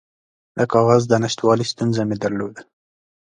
د کاغذ د نشتوالي ستونزه مې درلوده.